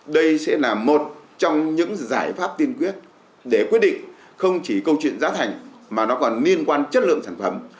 đây sẽ là một trong những giải pháp tiên quyết để quyết định không chỉ câu chuyện giá thành mà nó còn liên quan chất lượng sản phẩm